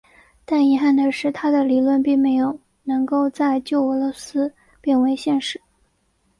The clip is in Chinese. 但遗憾的是他的理论并没有能够在旧俄罗斯变为现实。